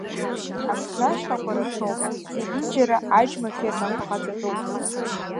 Аԥсны ашьхақәа рацәоуп, зегьынџьара аџьма фермақәа ҟаҵатәуп.